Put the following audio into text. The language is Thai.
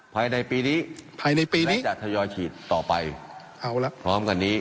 ภายในปีนี้ภายในปีนี้จะทยอยฉีดต่อไปเอาละพร้อมกันนี้